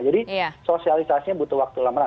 jadi sosialisasinya butuh waktu lama